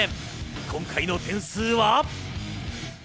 今回の点数は。